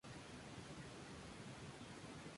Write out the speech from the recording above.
Este barrio era zona de humedales.